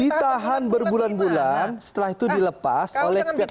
ditahan berbulan bulan setelah itu dilepas oleh pihak kepolisian